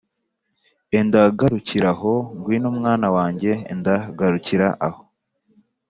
enda garukira aho ngwino mwana wanjye, enda garukira aho.’